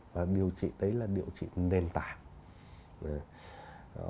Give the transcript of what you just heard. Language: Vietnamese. và điều trị đấy là điều trị nền tảng